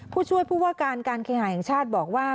ผู้ช่วยผู้ว่าการการเคหาแห่งชาติบอกว่า